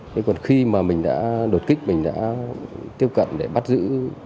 thế còn khi mà mình đã đột kích mình đã tiếp cận để bắt giữ